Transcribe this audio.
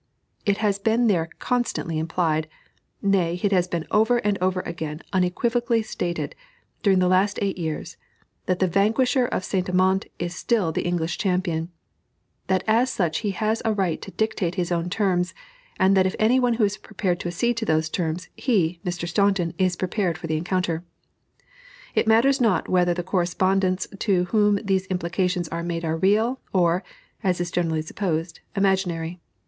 It has been there constantly implied nay, it has been over and over again unequivocally stated during the last eight years, that the vanquisher of St. Amant is still the English champion; that as such he has a right to dictate his own terms, and that if any one is prepared to accede to those terms, he (Mr. Staunton) is prepared for the encounter. It matters not whether the correspondents to whom these implications are made are real or (as is generally supposed) imaginary.